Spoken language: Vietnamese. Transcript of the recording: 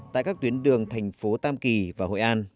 tại các tuyến đường thành phố tam kỳ và hội an